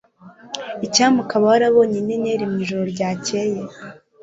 Icyampa ukaba warabonye inyenyeri mwijoro ryakeye